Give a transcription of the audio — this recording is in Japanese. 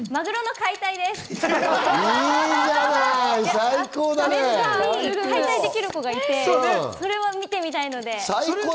解体できる子がいてそれは見てみたいので。